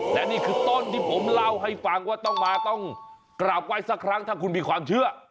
และนี่คือต้นที่ผมเล่าให้ฟังว่าต้องมาต้องกราบไหว้สักครั้งถ้าคุณมีความเชื่อ